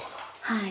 はい。